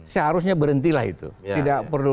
seharusnya berhentilah itu tidak perlu